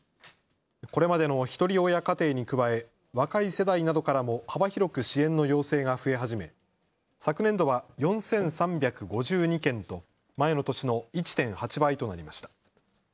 これまでのひとり親家庭に加え若い世代などからも幅広く支援の要請が増え始め昨年度は４３５２件と前の年の１．８倍となりました。